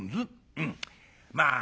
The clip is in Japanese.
「うんまあ